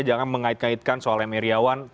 jangan mengait kaitkan soal m i iriawan